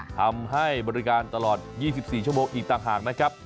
ทำให้บริการตลอด๒๔ชั่วโมงอีกต่างหากนะครับ